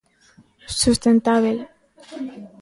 Sustentábel.